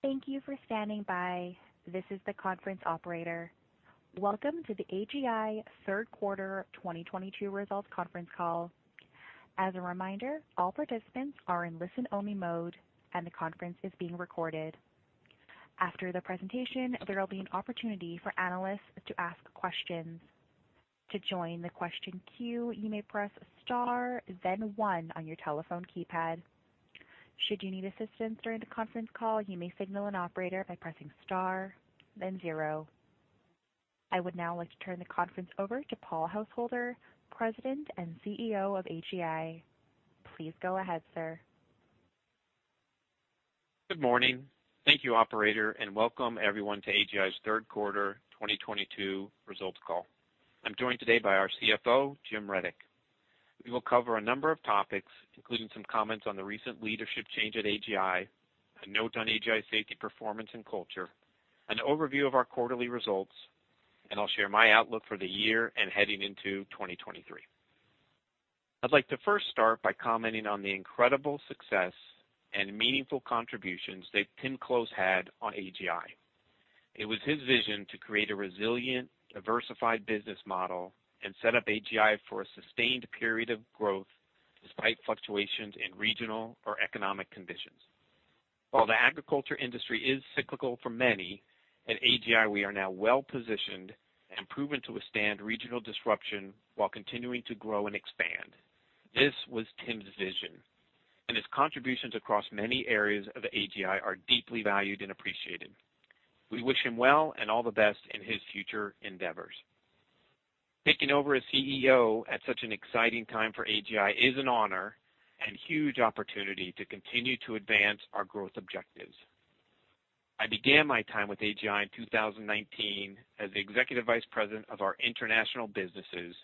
Thank you for standing by. This is the conference operator. Welcome to the AGI third quarter 2022 results conference call. As a reminder, all participants are in listen-only mode, and the conference is being recorded. After the presentation, there will be an opportunity for analysts to ask questions. To join the question queue, you may press star then one on your telephone keypad. Should you need assistance during the conference call, you may signal an operator by pressing star then zero. I would now like to turn the conference over to Paul Householder, President and CEO of AGI. Please go ahead, sir. Good morning. Thank you, operator, and welcome everyone to AGI's third quarter 2022 results call. I'm joined today by our CFO, Jim Rudyk. We will cover a number of topics, including some comments on the recent leadership change at AGI, a note on AGI safety performance and culture, an overview of our quarterly results, and I'll share my outlook for the year and heading into 2023. I'd like to first start by commenting on the incredible success and meaningful contributions that Tim Close had on AGI. It was his vision to create a resilient, diversified business model and set up AGI for a sustained period of growth despite fluctuations in regional or economic conditions. While the agriculture industry is cyclical for many, at AGI we are now well positioned and proven to withstand regional disruption while continuing to grow and expand. This was Tim's vision, and his contributions across many areas of AGI are deeply valued and appreciated. We wish him well and all the best in his future endeavors. Taking over as CEO at such an exciting time for AGI is an honor and huge opportunity to continue to advance our growth objectives. I began my time with AGI in 2019 as the Executive Vice President of our international businesses,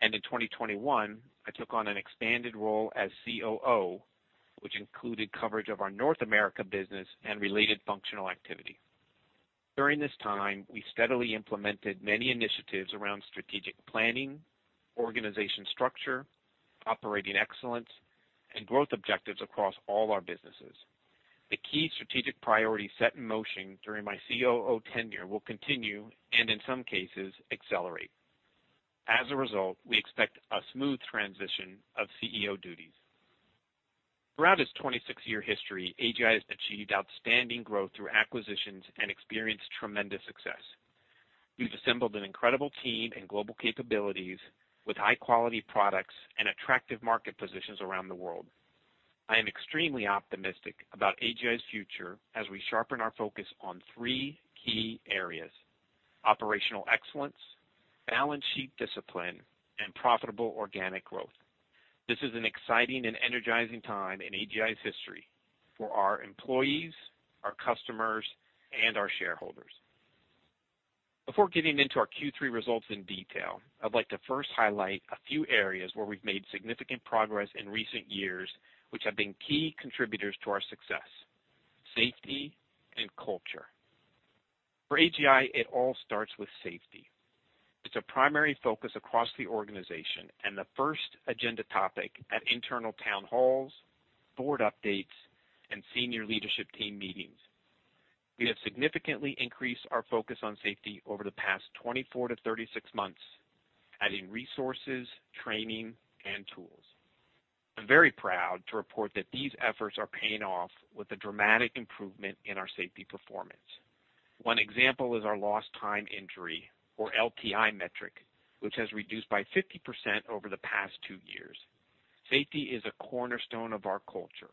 and in 2021 I took on an expanded role as COO, which included coverage of our North America business and related functional activity. During this time, we steadily implemented many initiatives around strategic planning, organization structure, operating excellence, and growth objectives across all our businesses. The key strategic priorities set in motion during my COO tenure will continue and, in some cases, accelerate. As a result, we expect a smooth transition of CEO duties. Throughout its 26-year history, AGI has achieved outstanding growth through acquisitions and experienced tremendous success. We've assembled an incredible team and global capabilities with high-quality products and attractive market positions around the world. I am extremely optimistic about AGI's future as we sharpen our focus on three key areas, operational excellence, balance sheet discipline, and profitable organic growth. This is an exciting and energizing time in AGI's history for our employees, our customers, and our shareholders. Before getting into our Q3 results in detail, I'd like to first highlight a few areas where we've made significant progress in recent years, which have been key contributors to our success, safety and culture. For AGI, it all starts with safety. It's a primary focus across the organization and the first agenda topic at internal town halls, board updates, and senior leadership team meetings. We have significantly increased our focus on safety over the past 24-36 months, adding resources, training, and tools. I'm very proud to report that these efforts are paying off with a dramatic improvement in our safety performance. One example is our lost time injury or LTI metric, which has reduced by 50% over the past two years. Safety is a cornerstone of our culture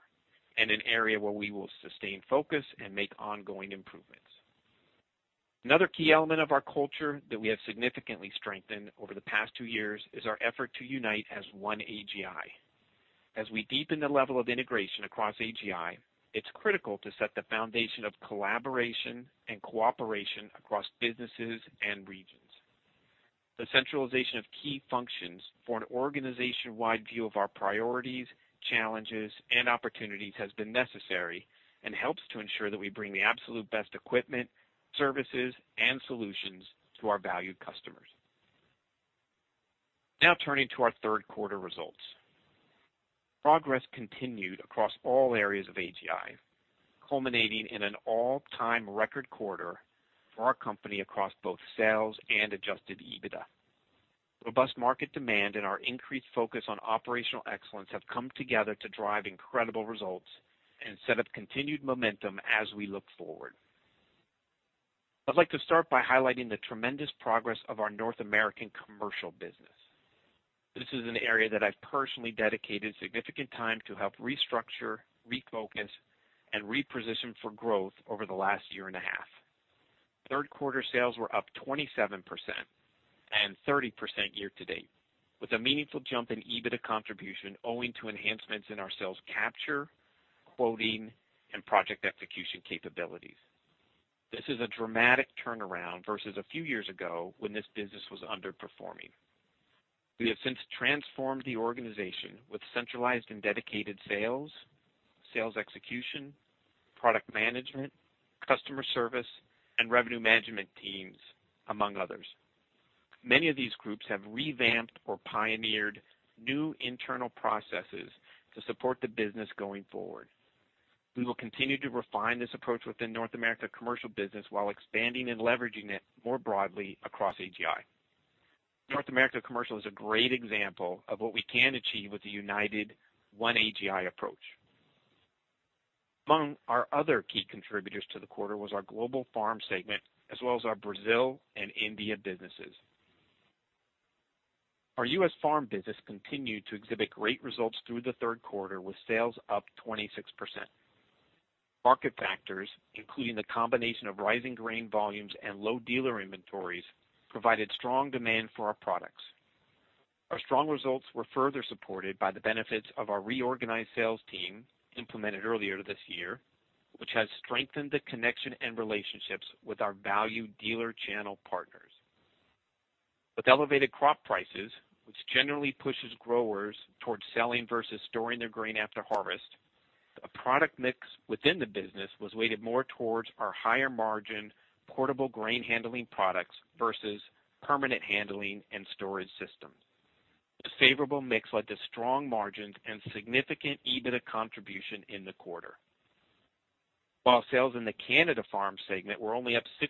and an area where we will sustain focus and make ongoing improvements. Another key element of our culture that we have significantly strengthened over the past two years is our effort to unite as one AGI. As we deepen the level of integration across AGI, it's critical to set the foundation of collaboration and cooperation across businesses and regions. The centralization of key functions for an organization-wide view of our priorities, challenges, and opportunities has been necessary and helps to ensure that we bring the absolute best equipment, services, and solutions to our valued customers. Now turning to our 3/4 results. Progress continued across all areas of AGI, culminating in an all-time record quarter for our company across both sales and adjusted EBITDA. Robust market demand and our increased focus on operational excellence have come together to drive incredible results and set up continued momentum as we look forward. I'd like to start by highlighting the tremendous progress of our North American commercial business. This is an area that I've personally dedicated significant time to help restructure, refocus, and reposition for growth over the last year and a half. Third quarter sales were up 27% and 30% year to date, with a meaningful jump in EBITDA contribution owing to enhancements in our sales capture, quoting, and project execution capabilities. This is a dramatic turnaround versus a few years ago when this business was underperforming. We have since transformed the organization with centralized and dedicated sales execution, product management, customer service, and revenue management teams, among others. Many of these groups have revamped or pioneered new internal processes to support the business going forward. We will continue to refine this approach within North America Commercial business while expanding and leveraging it more broadly across AGI. North America Commercial is a great example of what we can achieve with the united One AGI approach. Among our other key contributors to the quarter was our global farm segment, as well as our Brazil and India businesses. Our U.S. farm business continued to exhibit great results through the third quarter, with sales up 26%. Market factors, including the combination of rising grain volumes and low dealer inventories, provided strong demand for our products. Our strong results were further supported by the benefits of our reorganized sales team implemented earlier this year, which has strengthened the connection and relationships with our valued dealer channel partners. With elevated crop prices, which generally pushes growers towards selling versus storing their grain after harvest, a product mix within the business was weighted more towards our higher margin portable grain handling products versus permanent handling and storage systems. The favorable mix led to strong margins and significant EBITDA contribution in the quarter. While sales in the Canadian farm segment were only up 6%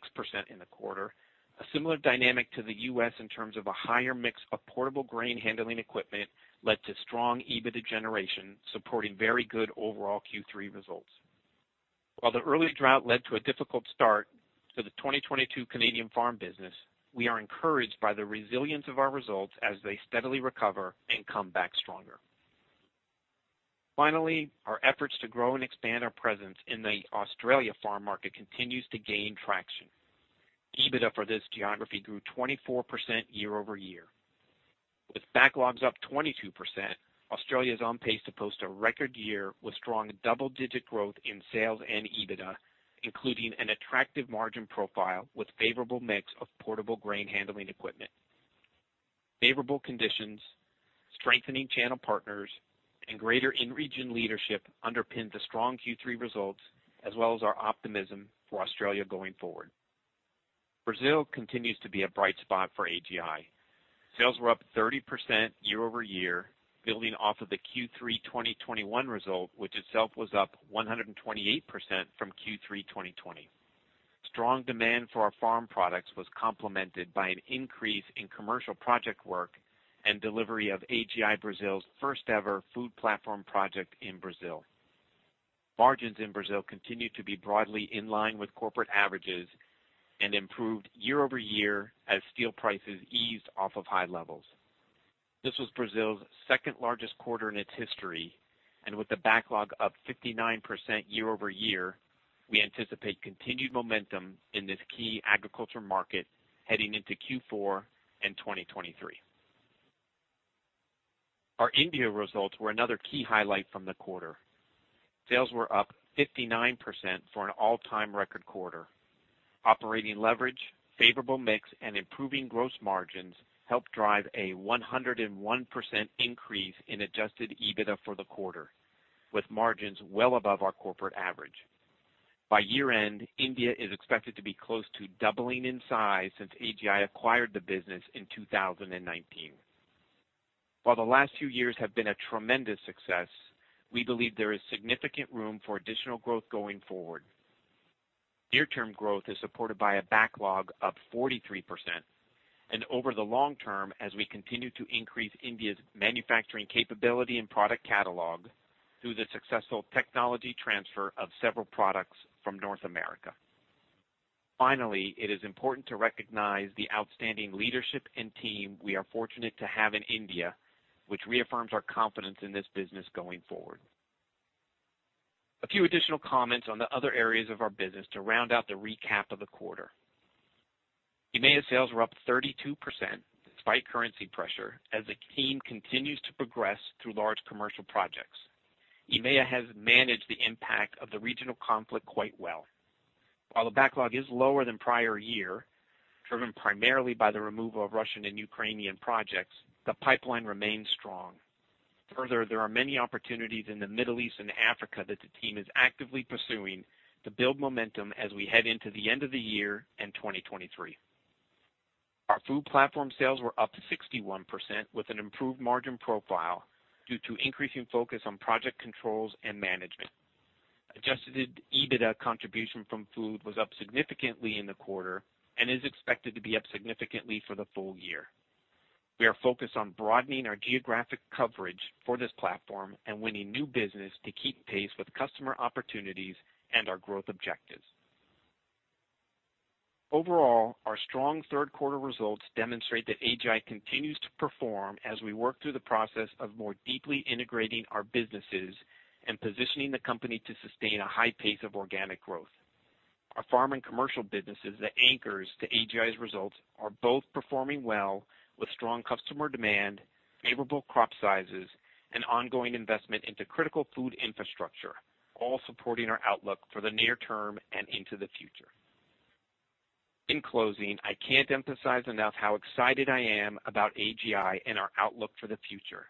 in the quarter, a similar dynamic to the U.S. in terms of a higher mix of portable grain handling equipment led to strong EBITDA generation, supporting very good overall Q3 results. While the early drought led to a difficult start to the 2022 Canadian farm business, we are encouraged by the resilience of our results as they steadily recover and come back stronger. Finally, our efforts to grow and expand our presence in the Australian farm market continues to gain traction. EBITDA for this geography grew 24% year-over-year. With backlogs up 22%, Australia is on pace to post a record year with strong double-digit growth in sales and EBITDA, including an attractive margin profile with favorable mix of portable grain handling equipment. Favorable conditions, strengthening channel partners, and greater in-region leadership underpinned the strong Q3 results, as well as our optimism for Australia going forward. Brazil continues to be a bright spot for AGI. Sales were up 30% year-over-year, building off of the Q3 2021 result, which itself was up 128% from Q3 2020. Strong demand for our farm products was complemented by an increase in commercial project work and delivery of AGI Brazil's first ever food platform project in Brazil. Margins in Brazil continued to be broadly in line with corporate averages and improved year-over-year as steel prices eased off of high levels. This was Brazil's second-largest quarter in its history, and with the backlog up 59% year-over-year, we anticipate continued momentum in this key agriculture market heading into Q4 and 2023. Our India results were another key highlight from the quarter. Sales were up 59% for an all-time record quarter. Operating leverage, favorable mix, and improving gross margins helped drive a 101% increase in adjusted EBITDA for the quarter, with margins well above our corporate average. By year-end, India is expected to be close to doubling in size since AGI acquired the business in 2019. While the last few years have been a tremendous success, we believe there is significant room for additional growth going forward. Near-term growth is supported by a backlog up 43% and over the long term as we continue to increase India's manufacturing capability and product catalog through the successful technology transfer of several products from North America. Finally, it is important to recognize the outstanding leadership and team we are fortunate to have in India, which reaffirms our confidence in this business going forward. A few additional comments on the other areas of our business to round out the recap of the quarter. EMEA sales were up 32% despite currency pressure as the team continues to progress through large commercial projects. EMEA has managed the impact of the regional conflict quite well. While the backlog is lower than prior year, driven primarily by the removal of Russian and Ukrainian projects, the pipeline remains strong. Further, there are many opportunities in the Middle East and Africa that the team is actively pursuing to build momentum as we head into the end of the year and 2023. Our food platform sales were up 61% with an improved margin profile due to increasing focus on project controls and management. Adjusted EBITDA contribution from food was up significantly in the quarter and is expected to be up significantly for the full year. We are focused on broadening our geographic coverage for this platform and winning new business to keep pace with customer opportunities and our growth objectives. Overall, our strong third quarter results demonstrate that AGI continues to perform as we work through the process of more deeply integrating our businesses and positioning the company to sustain a high pace of organic growth. Our farm and commercial businesses, the anchors to AGI's results, are both performing well with strong customer demand, favorable crop sizes, and ongoing investment into critical food infrastructure, all supporting our outlook for the near term and into the future. In closing, I can't emphasize enough how excited I am about AGI and our outlook for the future.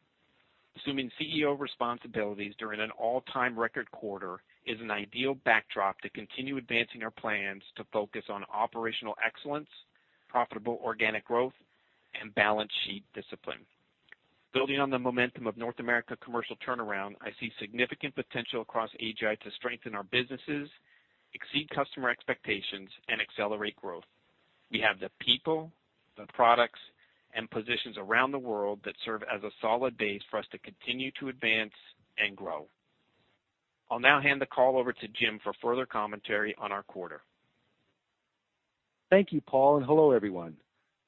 Assuming CEO responsibilities during an all-time record quarter is an ideal backdrop to continue advancing our plans to focus on operational excellence, profitable organic growth, and balance sheet discipline. Building on the momentum of North America commercial turnaround, I see significant potential across AGI to strengthen our businesses, exceed customer expectations, and accelerate growth. We have the people, the products, and positions around the world that serve as a solid base for us to continue to advance and grow. I'll now hand the call over to Jim for further commentary on our quarter. Thank you, Paul, and hello, everyone.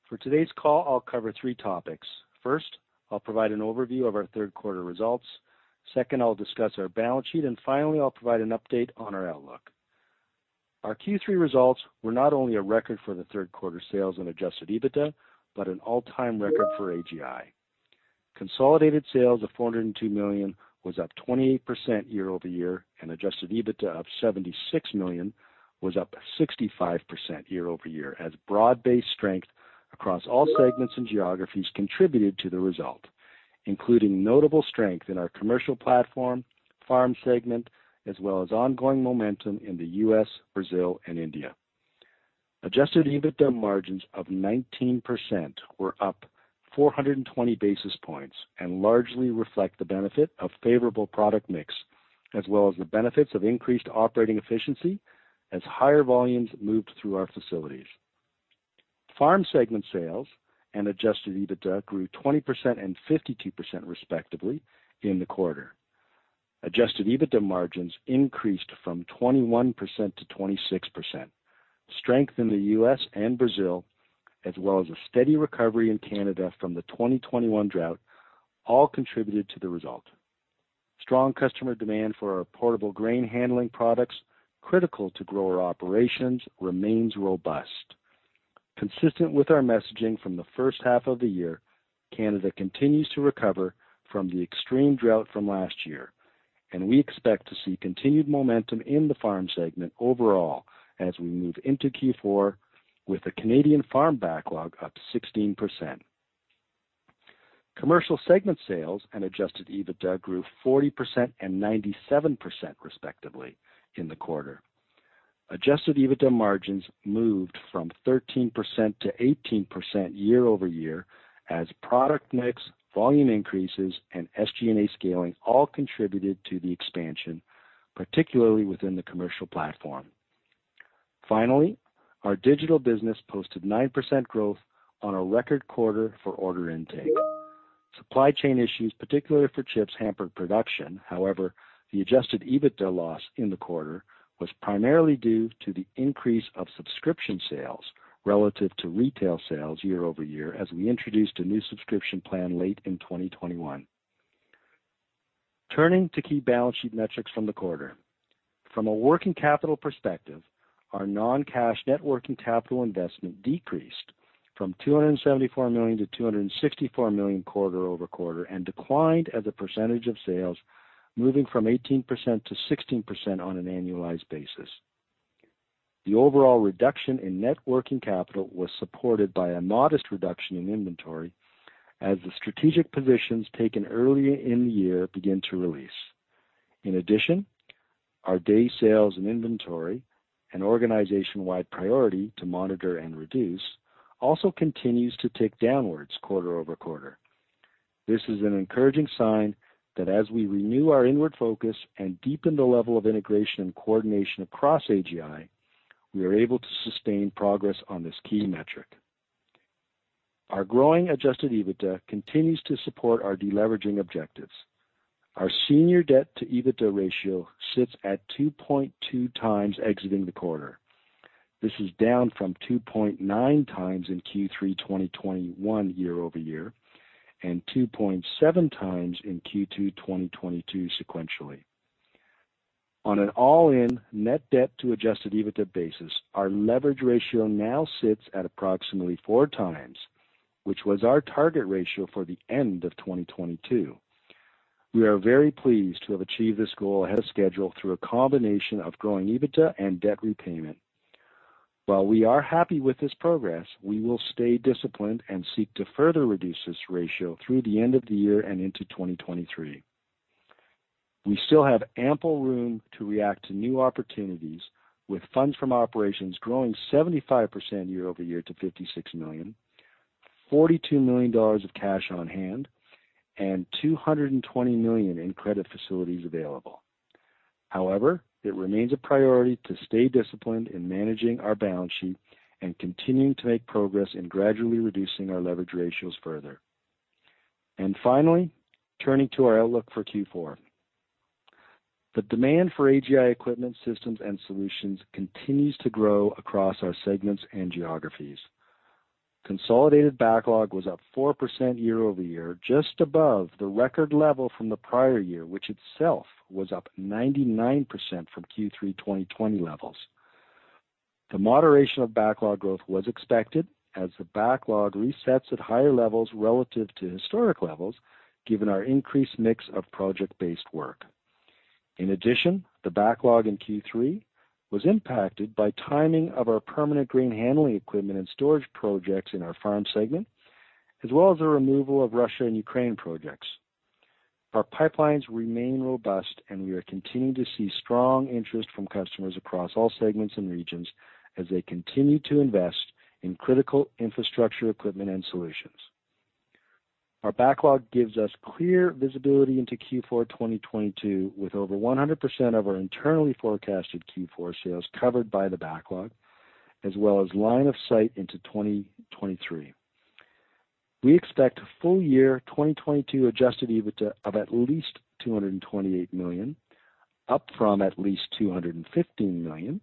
For today's call, I'll cover three topics. First, I'll provide an overview of our third quarter results. Second, I'll discuss our balance sheet. Finally, I'll provide an update on our outlook. Our Q3 results were not only a record for the third quarter sales and adjusted EBITDA, but an all-time record for AGI. Consolidated sales of 402 million was up 28% year-over-year, and adjusted EBITDA of 76 million was up 65% year-over-year as broad-based strength across all segments and geographies contributed to the result, including notable strength in our commercial platform, farm segment, as well as ongoing momentum in the U.S., Brazil, and India. Adjusted EBITDA margins of 19% were up 420 basis points and largely reflect the benefit of favorable product mix, as well as the benefits of increased operating efficiency as higher volumes moved through our facilities. Farm segment sales and adjusted EBITDA grew 20% and 52%, respectively, in the quarter. Adjusted EBITDA margins increased from 21% to 26%. Strength in the U.S. and Brazil, as well as a steady recovery in Canada from the 2021 drought, all contributed to the result. Strong customer demand for our portable grain handling products critical to grower operations remains robust. Consistent with our messaging from the first half of the year, Canada continues to recover from the extreme drought from last year, and we expect to see continued momentum in the farm segment overall as we move into Q4 with the Canadian farm backlog up 16%. Commercial segment sales and adjusted EBITDA grew 40% and 97%, respectively, in the quarter. Adjusted EBITDA margins moved from 13% to 18% year over year as product mix, volume increases, and SG&A scaling all contributed to the expansion, particularly within the commercial platform. Finally, our digital business posted 9% growth on a record quarter for order intake. Supply chain issues, particularly for chips, hampered production. However, the adjusted EBITDA loss in the quarter was primarily due to the increase of subscription sales relative to retail sales year-over-year as we introduced a new subscription plan late in 2021. Turning to key balance sheet metrics from the quarter. From a working capital perspective, our non-cash net working capital investment decreased from 274 million to 264 million quarter-over-quarter and declined as a percentage of sales moving from 18% to 16% on an annualized basis. The overall reduction in net working capital was supported by a modest reduction in inventory as the strategic positions taken earlier in the year begin to release. In addition, our days sales in inventory, an organization-wide priority to monitor and reduce, also continues to tick downwards quarter-over-quarter. This is an encouraging sign that as we renew our inward focus and deepen the level of integration and coordination across AGI, we are able to sustain progress on this key metric. Our growing adjusted EBITDA continues to support our deleveraging objectives. Our senior debt to EBITDA ratio sits at 2.2 times exiting the quarter. This is down from 2.9 times in Q3 2021 year-over-year, and 2.7 times in Q2 2022 sequentially. On an all-in net debt to adjusted EBITDA basis, our leverage ratio now sits at approximately 4 times, which was our target ratio for the end of 2022. We are very pleased to have achieved this goal ahead of schedule through a combination of growing EBITDA and debt repayment. While we are happy with this progress, we will stay disciplined and seek to further reduce this ratio through the end of the year and into 2023. We still have ample room to react to new opportunities with funds from operations growing 75% year-over-year to 56 million, 42 million dollars of cash on hand and 220 million in credit facilities available. However, it remains a priority to stay disciplined in managing our balance sheet and continuing to make progress in gradually reducing our leverage ratios further. Finally, turning to our outlook for Q4. The demand for AGI equipment systems and solutions continues to grow across our segments and geographies. Consolidated backlog was up 4% year-over-year, just above the record level from the prior year, which itself was up 99% from Q3 2020 levels. The moderation of backlog growth was expected as the backlog resets at higher levels relative to historic levels, given our increased mix of project-based work. In addition, the backlog in Q3 was impacted by timing of our permanent grain handling equipment and storage projects in our farm segment, as well as the removal of Russia and Ukraine projects. Our pipelines remain robust, and we are continuing to see strong interest from customers across all segments and regions as they continue to invest in critical infrastructure equipment and solutions. Our backlog gives us clear visibility into Q4 2022, with over 100% of our internally forecasted Q4 sales covered by the backlog, as well as line of sight into 2023. We expect full year 2022 adjusted EBITDA of at least 228 million, up from at least 215 million,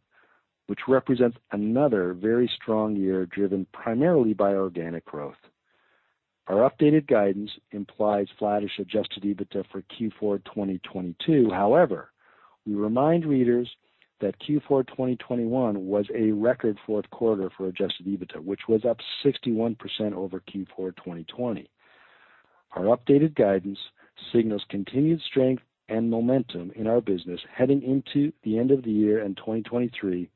which represents another very strong year, driven primarily by organic growth. Our updated guidance implies flattish adjusted EBITDA for Q4 2022. However, we remind readers that Q4 2021 was a record fourth quarter for adjusted EBITDA, which was up 61% over Q4 2020. Our updated guidance signals continued strength and momentum in our business heading into the end of the year and 2023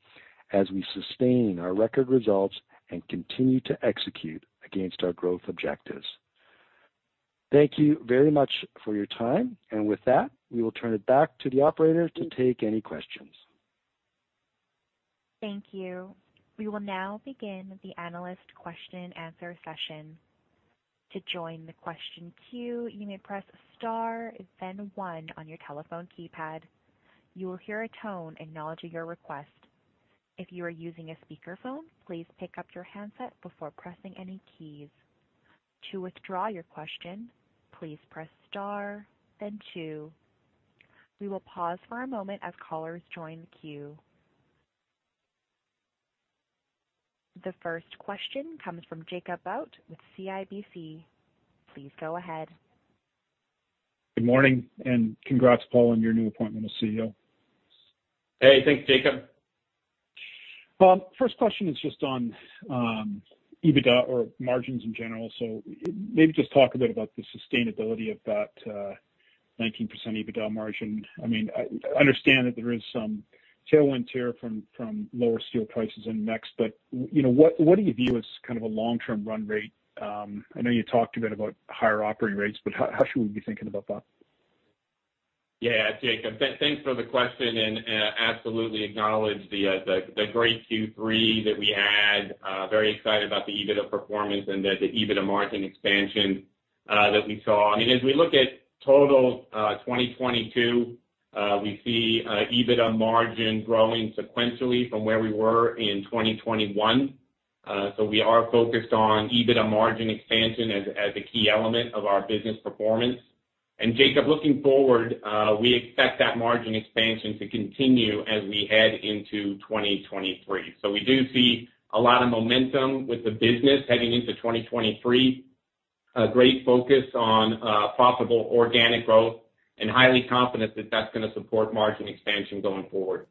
as we sustain our record results and continue to execute against our growth objectives. Thank you very much for your time. With that, we will turn it back to the operator to take any questions. Thank you. We will now begin the analyst question and answer session. To join the question queue, you may press star, then one on your telephone keypad. You will hear a tone acknowledging your request. If you are using a speakerphone, please pick up your handset before pressing any keys. To withdraw your question, please press star, then two. We will pause for a moment as callers join the queue. The first question comes from Jacob Bout with CIBC. Please go ahead. Good morning and congrats, Paul, on your new appointment as CEO. Hey, thanks, Jacob. First question is just on EBITDA or margins in general. Maybe just talk a bit about the sustainability of that 19% EBITDA margin. I mean, I understand that there is some tailwind here from lower steel prices in Mexico, but you know, what do you view as kind of a long term run rate? I know you talked a bit about higher operating rates, but how should we be thinking about that? Yeah, Jacob, thanks for the question and absolutely acknowledge the great Q3 that we had. Very excited about the EBITDA performance and the EBITDA margin expansion that we saw. I mean, as we look at total 2022, we see EBITDA margin growing sequentially from where we were in 2021. We are focused on EBITDA margin expansion as a key element of our business performance. Jacob, looking forward, we expect that margin expansion to continue as we head into 2023. We do see a lot of momentum with the business heading into 2023, a great focus on profitable organic growth and highly confident that that's gonna support margin expansion going forward.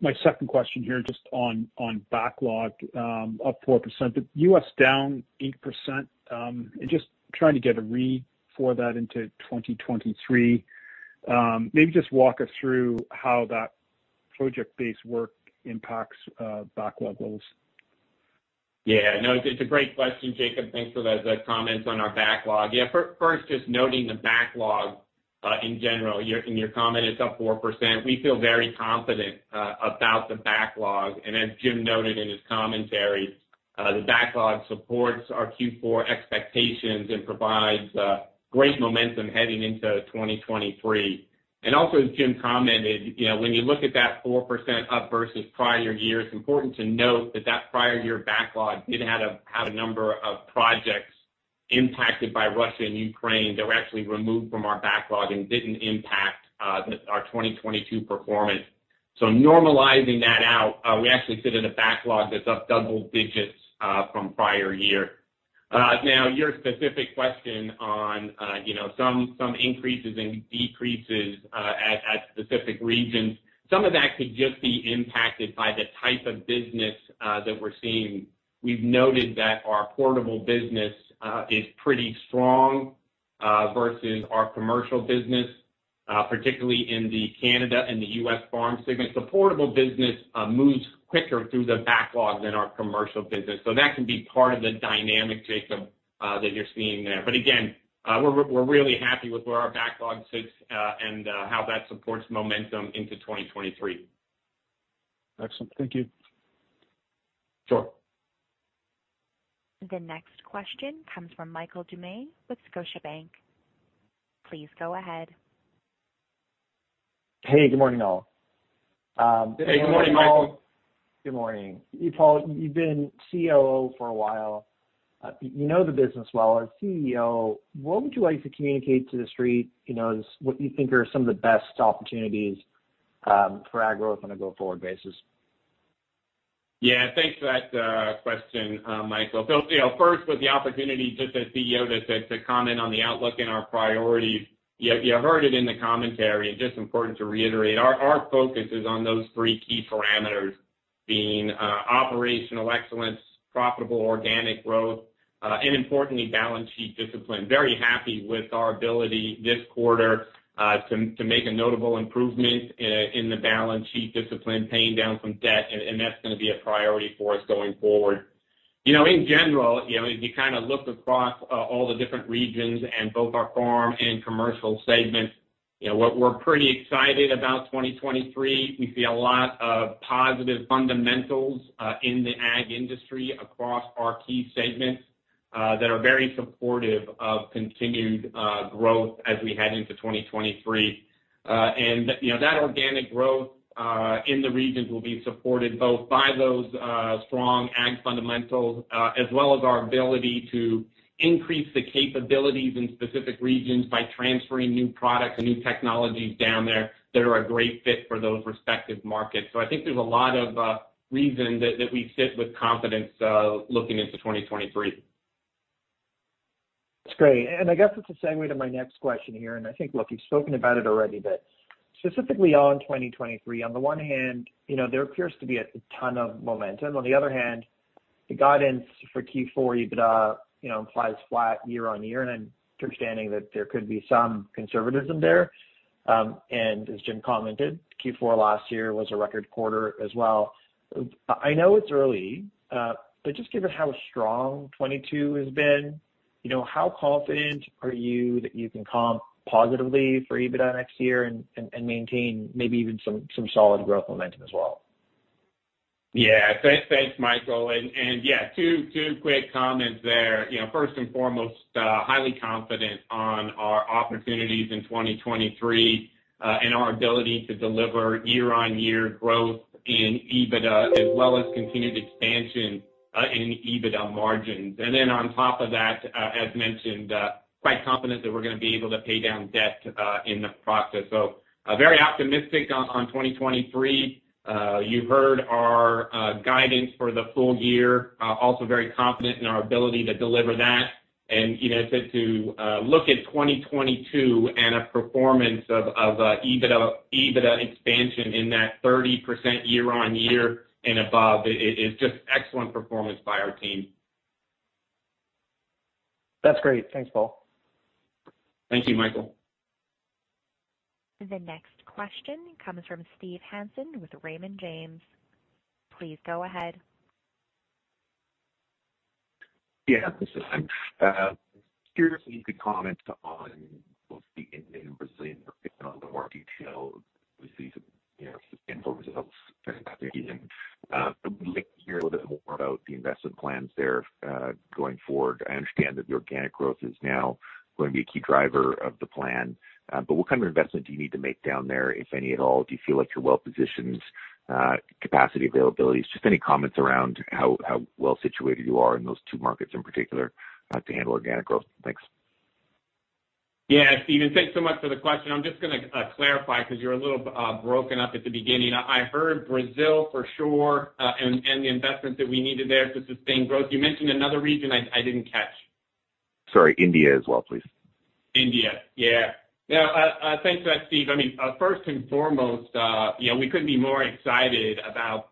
My second question here, just on backlog, up 4%, but U.S. down 8%, and just trying to get a read for that into 2023. Maybe just walk us through how that project-based work impacts backlog goals. Yeah, no, it's a great question, Jacob. Thanks for those comments on our backlog. Yeah, first, just noting the backlog, in general, your comment, it's up 4%. We feel very confident about the backlog. As Jim noted in his commentary, the backlog supports our Q4 expectations and provides great momentum heading into 2023. Also as Jim commented, you know, when you look at that 4% up versus prior year, it's important to note that that prior year backlog did have a number of projects impacted by Russia and Ukraine that were actually removed from our backlog and didn't impact our 2022 performance. Normalizing that out, we actually sit at a backlog that's up double digits from prior year. Now your specific question on, you know, some increases and decreases at specific regions. Some of that could just be impacted by the type of business that we're seeing. We've noted that our portable business is pretty strong versus our commercial business, particularly in the Canadian and the U.S. farm segments. The portable business moves quicker through the backlog than our commercial business. That can be part of the dynamic, Jacob, that you're seeing there. Again, we're really happy with where our backlog sits, and how that supports momentum into 2023. Excellent. Thank you. Sure. The next question comes from Michael Doumet with Scotiabank. Please go ahead. Hey, good morning, all. Hey, good morning, Michael. Good morning. Paul, you've been COO for a while. You know the business well. As CEO, what would you like to communicate to the street, you know, as what you think are some of the best opportunities for our growth on a go forward basis? Yeah, thanks for that question, Michael. You know, first with the opportunity just as CEO to comment on the outlook and our priorities. You heard it in the commentary, and just important to reiterate, our focus is on those three key parameters. Being operational excellence, profitable organic growth, and importantly, balance sheet discipline. Very happy with our ability this quarter to make a notable improvement in the balance sheet discipline, paying down some debt, and that's gonna be a priority for us going forward. You know, in general, you know, as you kinda look across all the different regions and both our farm and commercial segments, you know, what we're pretty excited about 2023, we see a lot of positive fundamentals in the ag industry across our key segments that are very supportive of continued growth as we head into 2023. You know, that organic growth in the regions will be supported both by those strong ag fundamentals as well as our ability to increase the capabilities in specific regions by transferring new products and new technologies down there that are a great fit for those respective markets. I think there's a lot of reason that we sit with confidence looking into 2023. That's great. I guess it's a segue to my next question here, and I think, look, you've spoken about it already, but specifically on 2023, on the one hand, you know, there appears to be a ton of momentum. On the other hand, the guidance for Q4 EBITDA, you know, implies flat year-on-year, and I'm understanding that there could be some conservatism there. As Jim commented, Q4 last year was a record quarter as well. I know it's early, but just given how strong 2022 has been, you know, how confident are you that you can comp positively for EBITDA next year and maintain maybe even some solid growth momentum as well? Yeah. Thanks, Michael. Yeah, two quick comments there. You know, first and foremost, highly confident on our opportunities in 2023, and our ability to deliver year-on-year growth in EBITDA, as well as continued expansion in EBITDA margins. Then on top of that, as mentioned, quite confident that we're gonna be able to pay down debt in the process. Very optimistic on 2023. You've heard our guidance for the full year. Also very confident in our ability to deliver that. You know, to look at 2022 and a performance of EBITDA expansion in that 30% year-on-year and above is just excellent performance by our team. That's great. Thanks, Paul. Thank you, Michael. The next question comes from Steve Hansen with Raymond James. Please go ahead. Yeah. This is Steve. Curious if you could comment on both the India and Brazil Mm-hmm. On the market share with these, you know, info results this afternoon. Would like to hear a little bit more about the investment plans there, going forward.I understand that the organic growth is now going to be a key driver of the plan. But what kind of investment do you need to make down there, if any at all? Do you feel like you're well-positioned, capacity availability? Just any comments around how well situated you are in those two markets in particular, to handle organic growth. Thanks. Yeah, Steve, thanks so much for the question. I'm just gonna clarify 'cause you're a little broken up at the beginning. I heard Brazil for sure, and the investments that we needed there to sustain growth. You mentioned another region I didn't catch. Sorry, India as well, please. India. Yeah. No, thanks for that, Steve. I mean, first and foremost, you know, we couldn't be more excited about,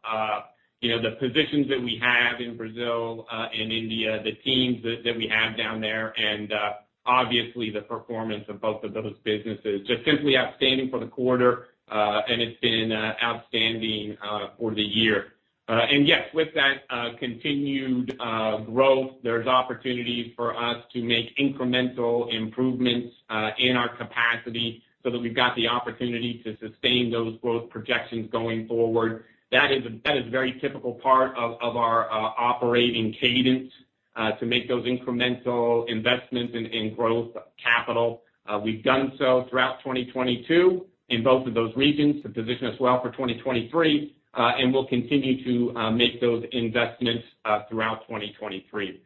you know, the positions that we have in Brazil and India, the teams that we have down there, and, obviously the performance of both of those businesses. Just simply outstanding for the quarter, and it's been, outstanding, for the year. Yes, with that, continued growth, there's opportunity for us to make incremental improvements in our capacity so that we've got the opportunity to sustain those growth projections going forward. That is a very typical part of our operating cadence to make those incremental investments in growth capital. We've done so throughout 2022 in both of those regions to position us well for 2023, and we'll continue to make those investments throughout 2023.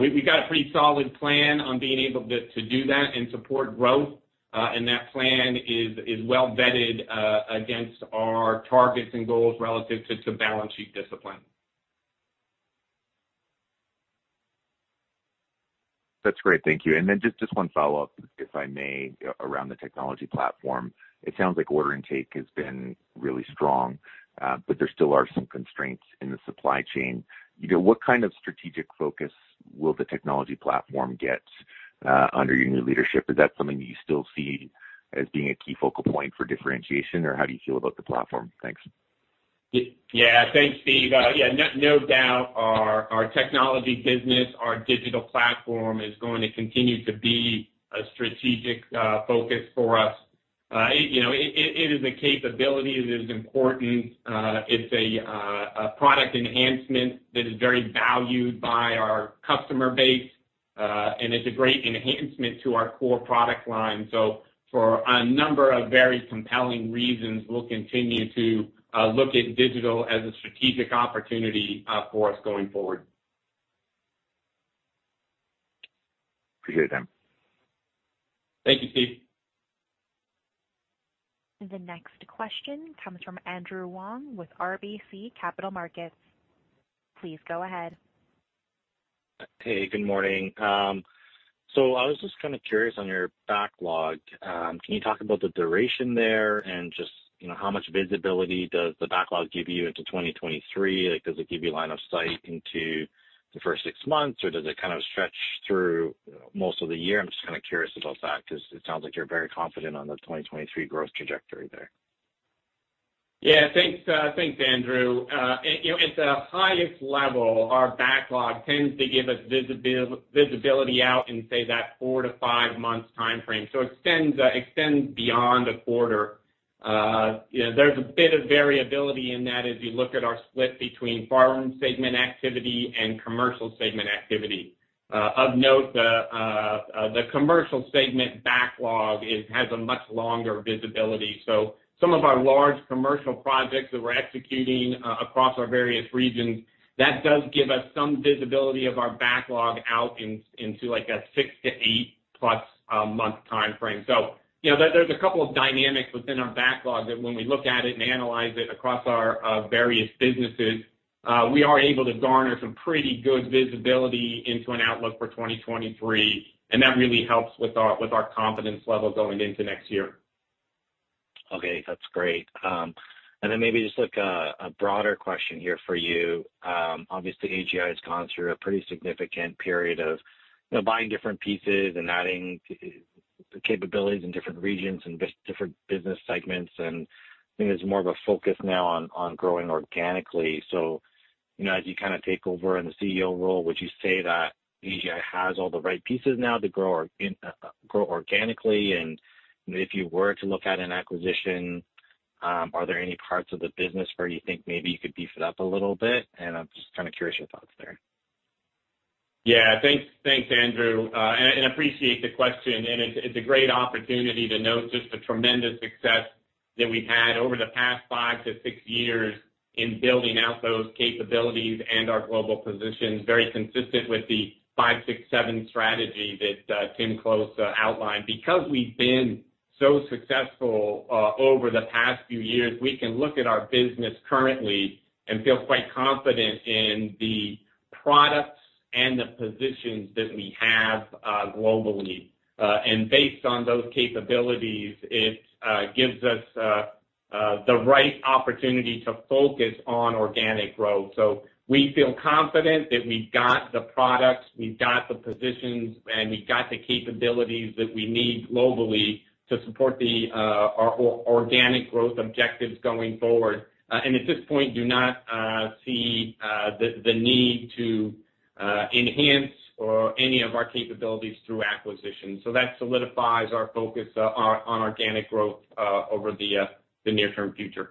We've got a pretty solid plan on being able to do that and support growth, and that plan is well-vetted against our targets and goals relative to balance sheet discipline. That's great. Thank you. Just one follow-up, if I may, around the technology platform. It sounds like order intake has been really strong, but there still are some constraints in the supply chain. You know, what kind of strategic focus will the technology platform get under your new leadership? Is that something you still see as being a key focal point for differentiation, or how do you feel about the platform? Thanks. Yeah. Thanks, Steve. Yeah, no doubt our technology business, our digital platform is going to continue to be a strategic focus for us. It, you know, is a capability that is important. It's a product enhancement that is very valued by our customer base, and it's a great enhancement to our core product line. For a number of very compelling reasons, we'll continue to look at digital as a strategic opportunity for us going forward. Appreciate the time. Thank you, Steve. The next question comes from Andrew Wong with RBC Capital Markets. Please go ahead. Hey, good morning. I was just kind of curious on your backlog. Can you talk about the duration there and just, you know, how much visibility does the backlog give you into 2023? Like, does it give you line of sight into the first six months, or does it kind of stretch through most of the year? I'm just kinda curious about that because it sounds like you're very confident on the 2023 growth trajectory there. Yeah. Thanks, Andrew. You know, at the highest level, our backlog tends to give us visibility out in, say, that 4-5 months timeframe. Extends beyond a quarter. You know, there's a bit of variability in that as you look at our split between farm segment activity and commercial segment activity. Of note, the commercial segment backlog has a much longer visibility. Some of our large commercial projects that we're executing across our various regions, that does give us some visibility of our backlog out into like a 6-8+ month timeframe. You know, there's a couple of dynamics within our backlog that when we look at it and analyze it across our various businesses, we are able to garner some pretty good visibility into an outlook for 2023, and that really helps with our confidence level going into next year. Okay. That's great. Maybe just like a broader question here for you, obviously, AGI has gone through a pretty significant period of, you know, buying different pieces and adding capabilities in different regions and different business segments, and I think there's more of a focus now on growing organically. You know, as you kind of take over in the CEO role, would you say that AGI has all the right pieces now to grow organically? If you were to look at an acquisition, are there any parts of the business where you think maybe you could beef it up a little bit? I'm just kind of curious your thoughts there. Yeah. Thanks. Thanks, Andrew, and appreciate the question. It's a great opportunity to note just the tremendous success that we've had over the past 5-6 years in building out those capabilities and our global position, very consistent with the 5-6-7 strategy that Tim Close outlined. Because we've been so successful over the past few years, we can look at our business currently and feel quite confident in the products and the positions that we have globally. Based on those capabilities, the right opportunity to focus on organic growth. We feel confident that we've got the products, we've got the positions, and we've got the capabilities that we need globally to support our organic growth objectives going forward. At this point, do not see the need to enhance any of our capabilities through acquisition. That solidifies our focus on organic growth over the near-term future.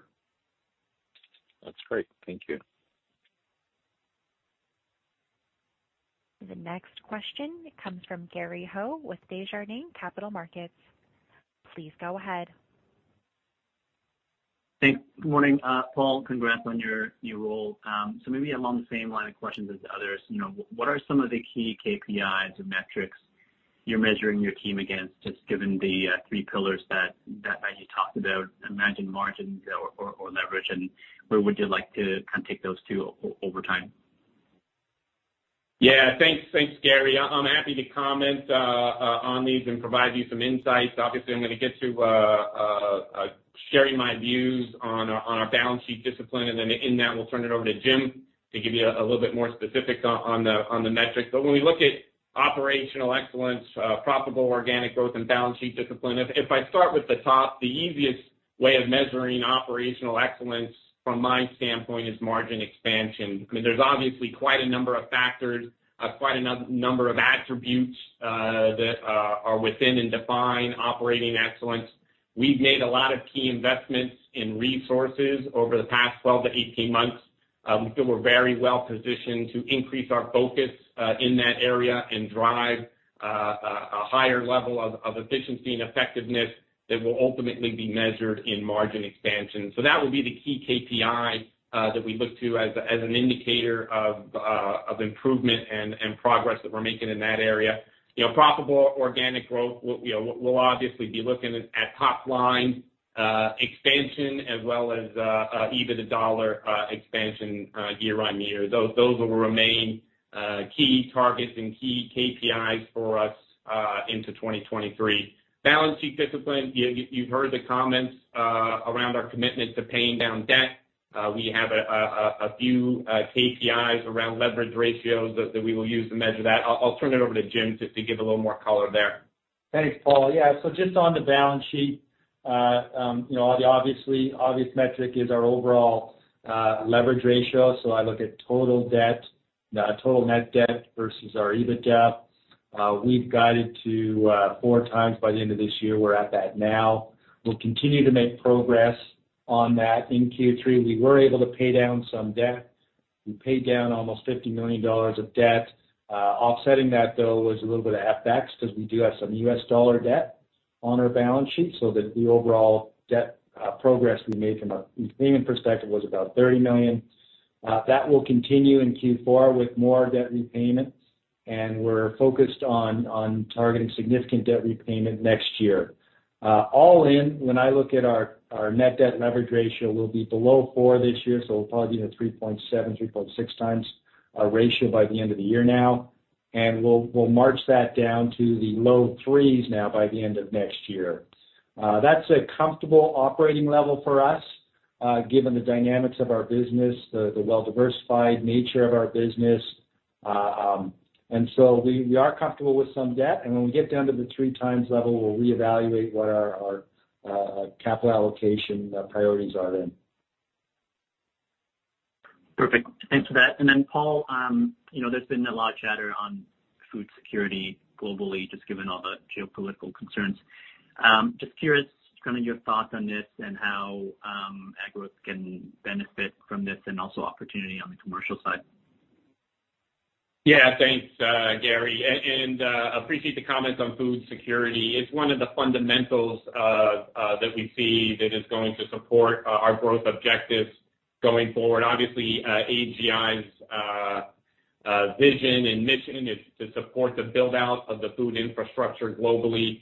That's great. Thank you. The next question comes from Gary Ho with Desjardins Capital Markets. Please go ahead. Thanks. Good morning, Paul. Congrats on your new role. Maybe along the same line of questions as others, you know, what are some of the key KPIs or metrics you're measuring your team against, just given the three pillars that you talked about, EBITDA margins or leverage, and where would you like to kind of take those two over time? Yeah. Thanks. Thanks, Gary. I'm happy to comment on these and provide you some insights. Obviously, I'm gonna get to sharing my views on our balance sheet discipline, and then in that, we'll turn it over to Jim to give you a little bit more specifics on the metrics. When we look at operational excellence, profitable organic growth and balance sheet discipline, if I start with the top, the easiest way of measuring operational excellence from my standpoint is margin expansion. I mean, there's obviously quite a number of factors, quite a number of attributes that are within and define operating excellence. We've made a lot of key investments in resources over the past 12-18 months. We feel we're very well positioned to increase our focus in that area and drive a higher level of efficiency and effectiveness that will ultimately be measured in margin expansion. That would be the key KPI that we look to as an indicator of improvement and progress that we're making in that area. You know, profitable organic growth, you know, we'll obviously be looking at top line expansion as well as even the dollar expansion year on year. Those will remain key targets and key KPIs for us into 2023. Balance sheet discipline, you've heard the comments around our commitment to paying down debt. We have a few KPIs around leverage ratios that we will use to measure that. I'll turn it over to Jim just to give a little more color there. Thanks, Paul. Yeah. Just on the balance sheet, you know, obvious metric is our overall leverage ratio. I look at total debt, total net debt versus our EBITDA. We've guided to 4x by the end of this year. We're at that now. We'll continue to make progress on that. In Q3, we were able to pay down some debt. We paid down almost 50 million dollars of debt. Offsetting that, though, was a little bit of FX because we do have some U.S. dollar debt on our balance sheet, so the overall debt progress we made from a repayment perspective was about 30 million. That will continue in Q4 with more debt repayments, and we're focused on targeting significant debt repayment next year. All in, when I look at our net debt leverage ratio, we'll be below 4 this year, so we'll probably be at 3.7-3.6 times our ratio by the end of the year now. We'll march that down to the low 3s by the end of next year. That's a comfortable operating level for us, given the dynamics of our business, the well-diversified nature of our business. We are comfortable with some debt, and when we get down to the 3x level, we'll reevaluate what our capital allocation priorities are then. Perfect. Thanks for that. Then Paul, you know, there's been a lot of chatter on food security globally, just given all the geopolitical concerns. Just curious kind of your thoughts on this and how, AGI can benefit from this and also opportunity on the commercial side. Yeah. Thanks, Gary, and appreciate the comments on food security. It's one of the fundamentals that we see that is going to support our growth objectives going forward. Obviously, AGI's vision and mission is to support the build-out of the food infrastructure globally.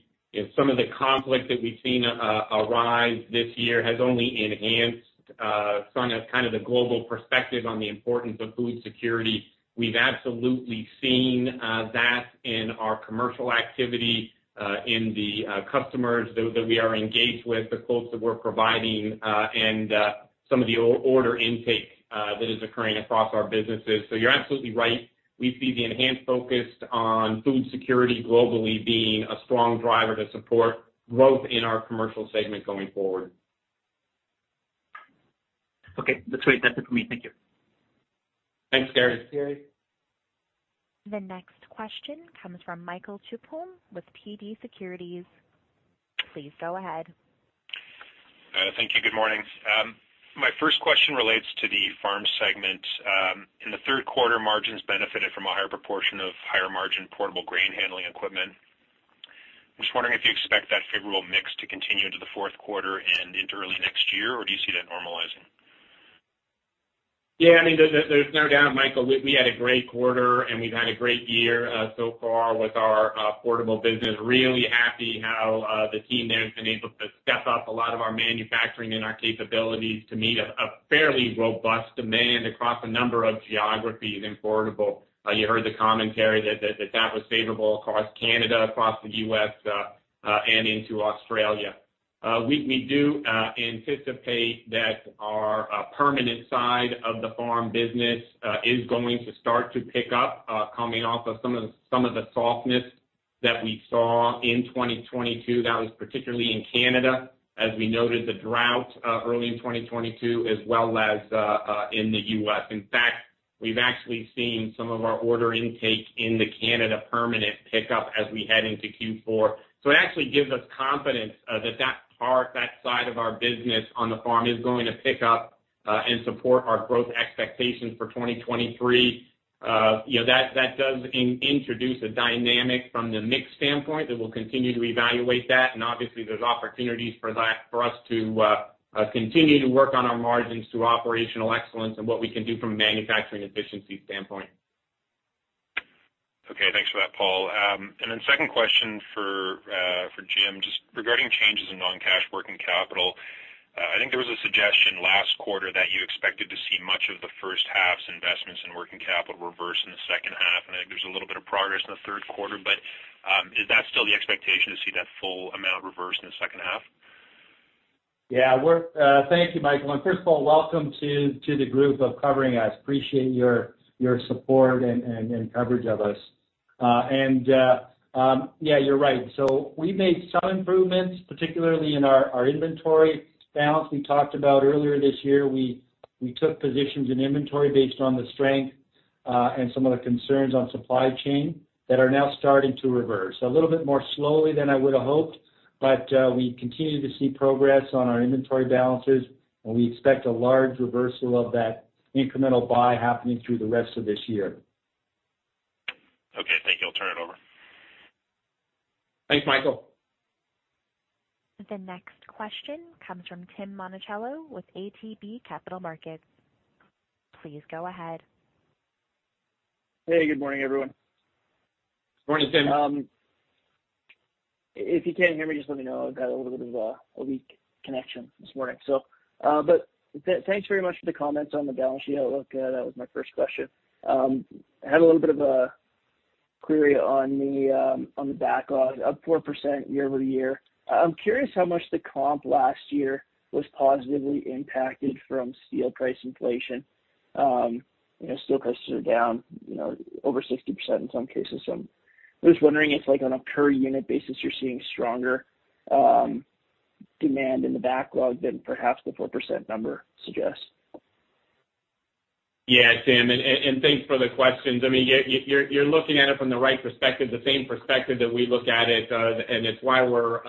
Some of the conflict that we've seen arise this year has only enhanced some of kind of the global perspective on the importance of food security. We've absolutely seen that in our commercial activity in the customers that we are engaged with, the quotes that we're providing, and some of the order intake that is occurring across our businesses. You're absolutely right. We see the enhanced focus on food security globally being a strong driver to support growth in our commercial segment going forward. Okay, that's great. That's it for me. Thank you. Thanks, Gary. Thanks, Gary. The next question comes from Michael Tupholme with TD Securities. Please go ahead. Thank you. Good morning. My first question relates to the farm segment. In the third quarter, margins benefited from a higher proportion of higher margin portable grain handling equipment. I'm just wondering if you expect that favorable mix to continue into the fourth quarter and into early next year, or do you see that normalizing? Yeah, I mean, there's no doubt, Michael, we had a great quarter and we've had a great year so far with our portable business. Really happy how the team there has been able to step up a lot of our manufacturing and our capabilities to meet a fairly robust demand across a number of geographies in portable. You heard the commentary that was favorable across Canada, across the U.S., and into Australia. We do anticipate that our permanent side of the farm business is going to start to pick up coming off of some of the softness that we saw in 2022. That was particularly in Canada, as we noted the drought early in 2022, as well as in the U.S. In fact, we've actually seen some of our order intake in the Canadian permanent pickup as we head into Q4. It actually gives us confidence that that part, that side of our business on the farm is going to pick up and support our growth expectations for 2023. You know, that does introduce a dynamic from the mix standpoint that we'll continue to evaluate that. Obviously there's opportunities for that, for us to continue to work on our margins through operational excellence and what we can do from a manufacturing efficiency standpoint. Okay, thanks for that, Paul. Second question for Jim, just regarding changes in non-cash working capital. I think there was a suggestion last quarter that you expected to see much of the first half's investments in working capital reverse in the second half. I know there's a little bit of progress in the third quarter, but is that still the expectation to see that full amount reversed in the second half? Yeah. Thank you, Michael. First of all, welcome to the group covering us. Appreciate your support and coverage of us. Yeah, you're right. We made some improvements, particularly in our inventory balance. We talked about earlier this year, we took positions in inventory based on the strength and some of the concerns on supply chain that are now starting to reverse. A little bit more slowly than I would've hoped, but we continue to see progress on our inventory balances, and we expect a large reversal of that incremental buy happening through the rest of this year. Okay, thank you. I'll turn it over. Thanks, Michael. The next question comes from Tim Monachello with ATB Capital Markets. Please go ahead. Hey, good morning, everyone. Morning, Tim. If you can't hear me, just let me know. I've got a little bit of a weak connection this morning. But thanks very much for the comments on the balance sheet outlook. That was my first question. I had a little bit of a query on the backlog, up 4% year-over-year. I'm curious how much the comp last year was positively impacted from steel price inflation. You know, steel prices are down, you know, over 60% in some cases. I'm just wondering if, like, on a per unit basis, you're seeing stronger demand in the backlog than perhaps the 4% number suggests. Yeah, Tim, thanks for the questions. I mean, yeah, you're looking at it from the right perspective, the same perspective that we look at it, and it's why we're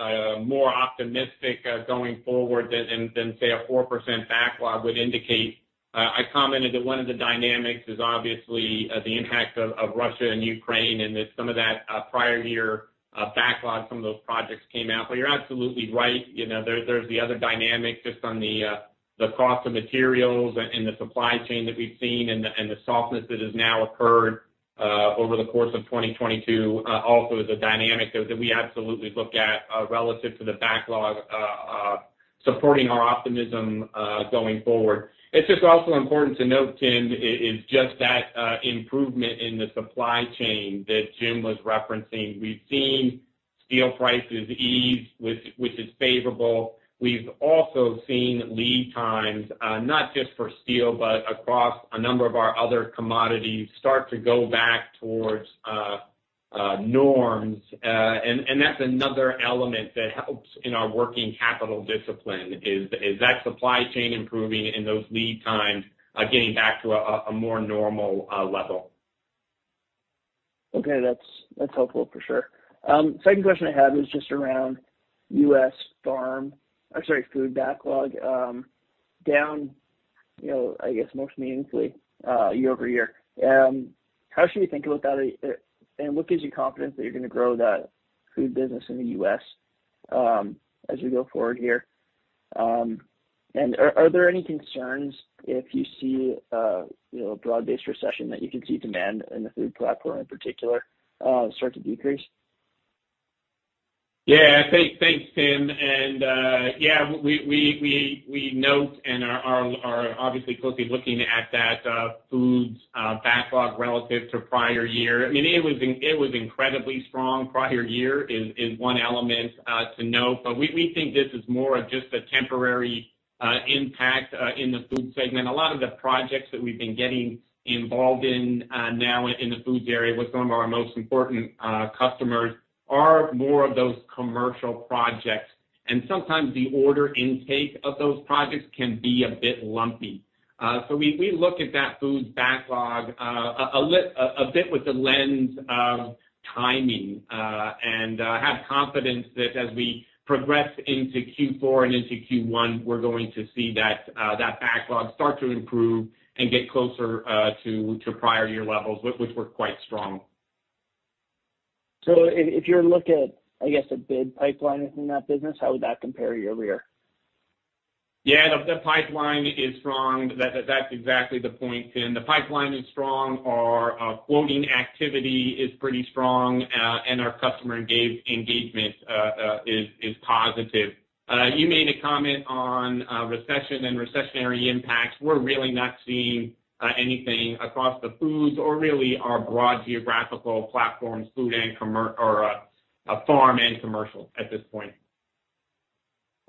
more optimistic going forward than, say, a 4% backlog would indicate. I commented that one of the dynamics is obviously the impact of Russia and Ukraine and that some of that prior year backlog, some of those projects came out. You're absolutely right. You know, there's the other dynamic just on the cost of materials and the supply chain that we've seen and the softness that has now occurred over the course of 2022 also is a dynamic that we absolutely look at relative to the backlog supporting our optimism going forward. It's just also important to note, Tim, is just that improvement in the supply chain that Jim was referencing. We've seen steel prices ease, which is favorable. We've also seen lead times, not just for steel, but across a number of our other commodities start to go back towards norms. That's another element that helps in our working capital discipline is that supply chain improving and those lead times getting back to a more normal level. Okay. That's helpful for sure. Second question I have is just around food backlog, down, you know, I guess, most meaningfully, year over year. How should we think about that, and what gives you confidence that you're gonna grow that food business in the U.S., as we go forward here? Are there any concerns if you see, you know, a broad-based recession that you could see demand in the food platform in particular, start to decrease? Yeah. Thanks. Thanks, Tim. Yeah, we note and are obviously closely looking at that food's backlog relative to prior year. I mean, it was incredibly strong. Prior year is one element to note, but we think this is more of just a temporary impact in the food segment. A lot of the projects that we've been getting involved in now in the food area with some of our most important customers are more of those commercial projects. Sometimes the order intake of those projects can be a bit lumpy. We look at that food's backlog a bit with the lens of timing and have confidence that as we progress into Q4 and into Q1, we're going to see that backlog start to improve and get closer to prior year levels, which were quite strong. If you look at, I guess, a bid pipeline in that business, how would that compare year over year? Yeah. The pipeline is strong. That's exactly the point, Tim. The pipeline is strong. Our quoting activity is pretty strong, and our customer engagement is positive. You made a comment on recession and recessionary impacts. We're really not seeing anything across the foods or really our broad geographical platforms, food and farm and commercial at this point.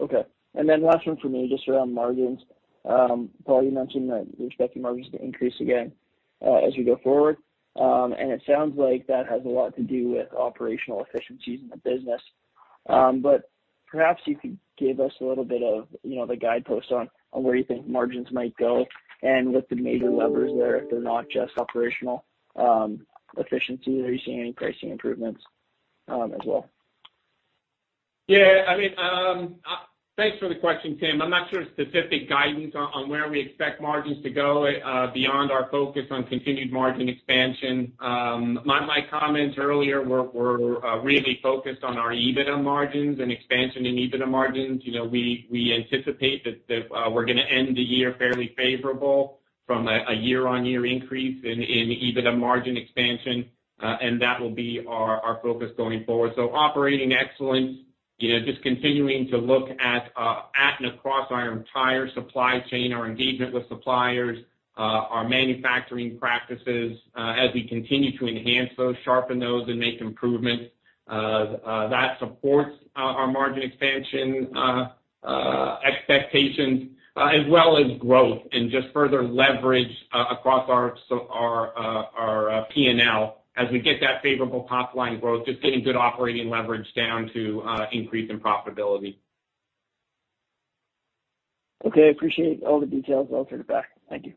Okay. Then last one for me, just around margins. Paul, you mentioned that you're expecting margins to increase again, as we go forward. It sounds like that has a lot to do with operational efficiencies in the business. Perhaps you could give us a little bit of, you know, the guideposts on where you think margins might go and what the major levers there if they're not just operational efficiency. Are you seeing any pricing improvements, as well? Yeah. I mean, thanks for the question, Tim. I'm not sure specific guidance on where we expect margins to go beyond our focus on continued margin expansion. My comments earlier were really focused on our EBITDA margins and expansion in EBITDA margins. You know, we anticipate that we're gonna end the year fairly favorable from a year-on-year increase in EBITDA margin expansion, and that will be our focus going forward. Operating excellence, you know, just continuing to look at and across our entire supply chain, our engagement with suppliers, our manufacturing practices, as we continue to enhance those, sharpen those, and make improvements, that supports our margin expansion expectations, as well as growth and just further leverage across our P&L. As we get that favorable top line growth, just getting good operating leverage down to increase in profitability. Okay. Appreciate all the details. I'll turn it back. Thank you.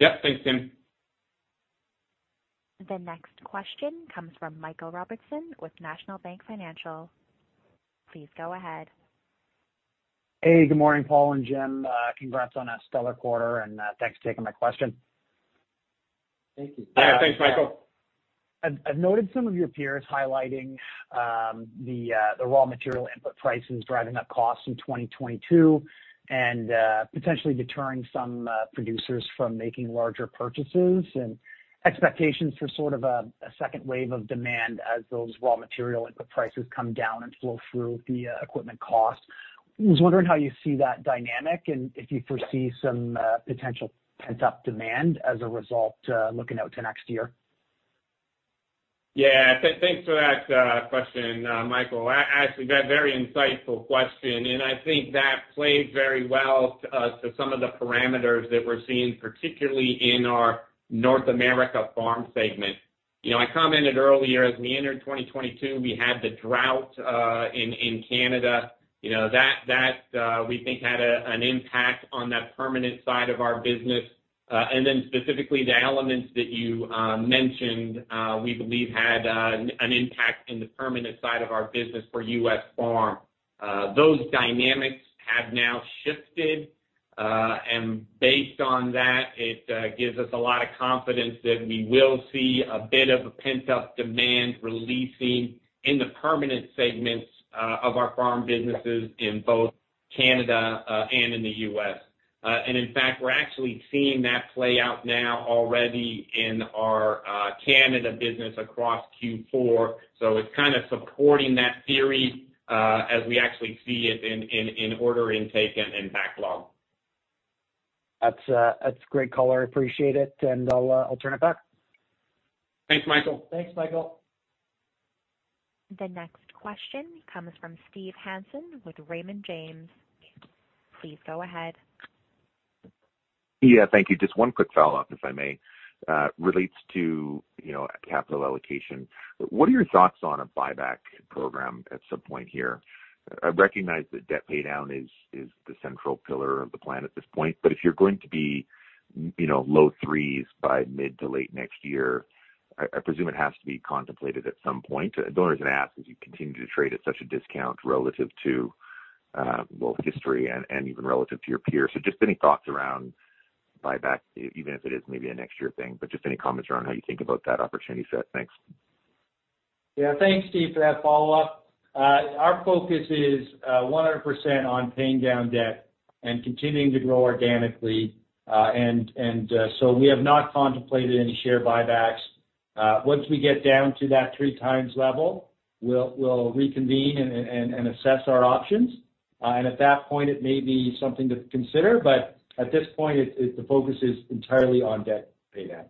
Yeah. Thanks, Tim. The next question comes from Michael Robertson with National Bank Financial. Please go ahead. Hey, good morning, Paul and Jim. Congrats on a stellar quarter and, thanks for taking my question. Thank you. Yeah. Thanks, Michael. I've noted some of your peers highlighting the raw material input prices driving up costs in 2022 and potentially deterring some producers from making larger purchases and expectations for sort of a second wave of demand as those raw material input prices come down and flow through the equipment costs. I was wondering how you see that dynamic and if you foresee some potential pent-up demand as a result looking out to next year. Thanks for that question, Michael. Actually a very insightful question. I think that plays very well to some of the parameters that we're seeing, particularly in our North America farm segment. You know, I commented earlier, as we entered 2022, we had the drought in Canada. You know, that we think had an impact on that permanent side of our business. Then specifically the elements that you mentioned, we believe had an impact in the permanent side of our business for U.S. farm. Those dynamics have now shifted. Based on that, it gives us a lot of confidence that we will see a bit of a pent-up demand releasing in the permanent segments of our farm businesses in both Canada and in the U.S. In fact, we're actually seeing that play out now already in our Canada business across Q4. It's kinda supporting that theory as we actually see it in order intake and backlog. That's great color. Appreciate it, and I'll turn it back. Thanks, Michael. Thanks, Michael. The next question comes from Steve Hansen with Raymond James. Please go ahead. Yeah. Thank you. Just one quick follow-up, if I may. Relates to, you know, capital allocation. What are your thoughts on a buyback program at some point here? I recognize that debt paydown is the central pillar of the plan at this point, but if you're going to be, you know, low threes by mid to late next year, I presume it has to be contemplated at some point. Don't even ask, as you continue to trade at such a discount relative to, uh, well, history and even relative to your peers. Just any thoughts around buyback, even if it is maybe a next year thing, but just any comments around how you think about that opportunity set. Thanks. Yeah. Thanks, Steve, for that follow-up. Our focus is 100% on paying down debt and continuing to grow organically. We have not contemplated any share buybacks. Once we get down to that 3x level, we'll reconvene and assess our options. At that point, it may be something to consider, but at this point, it's the focus is entirely on debt paydown.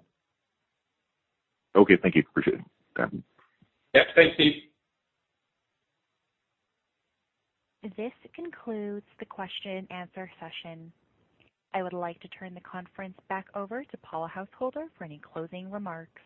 Okay. Thank you. Appreciate it. Bye. Yeah. Thanks, Steve. This concludes the question-answer session. I would like to turn the conference back over to Paul Householder for any closing remarks.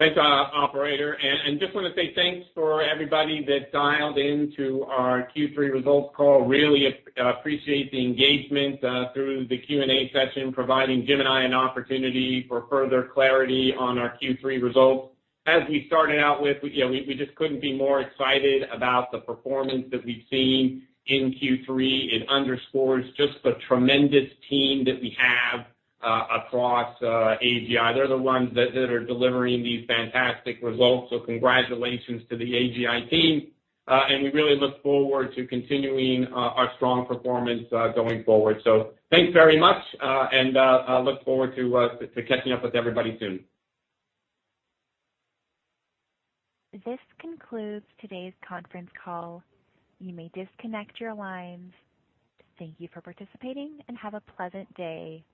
Thanks, operator. Just wanna say thanks for everybody that dialed into our Q3 results call. Really appreciate the engagement through the Q&A session, providing Jim and I an opportunity for further clarity on our Q3 results. As we started out with, you know, we just couldn't be more excited about the performance that we've seen in Q3. It underscores just the tremendous team that we have across AGI. They're the ones that are delivering these fantastic results, so congratulations to the AGI team. We really look forward to continuing our strong performance going forward. Thanks very much, and I look forward to catching up with everybody soon. This concludes today's conference call. You may disconnect your lines. Thank you for participating, and have a pleasant day.